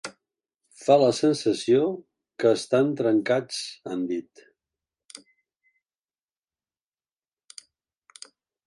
Fa la sensació que estan trencats, han dit.